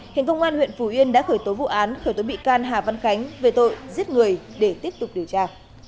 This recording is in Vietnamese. hình công an huyện phù yên đã khởi tối vụ án khởi tối bị can hà văn khánh về tội giết người để tiếp tục điều tra